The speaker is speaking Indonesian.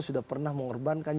sudah pernah mengorbankan